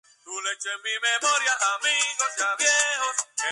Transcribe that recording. Por todo esto, Dacia era vista por el Imperio romano como un enemigo potencial.